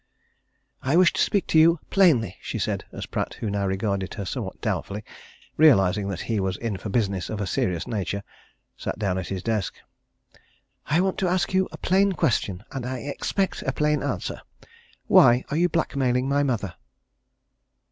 "I wish to speak to you plainly!" she said, as Pratt, who now regarded her somewhat doubtfully, realizing that he was in for business of a serious nature, sat down at his desk. "I want to ask you a plain question and I expect a plain answer. Why are you blackmailing my mother?"